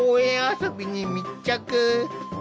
遊びに密着。